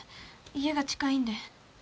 家が近いんで。